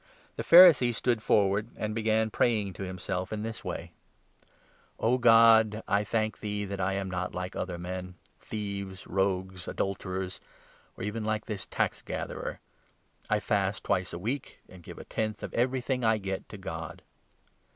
The Pharisee stood forward and began 1 1 Tax gatherer, praying to himself in this way — 'O God, I thank thee that I am not like other men — thieves, rogues, adulterers — or even like this tax gatherer. I fast 12 twice a week, and give a tenth of everything I get to God.'